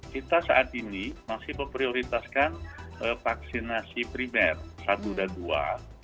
kita saat ini masih memprioritaskan vaksinasi primer satu dan dua